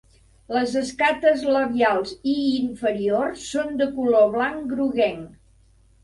Les escates labials i inferiors són de color blanc groguenc.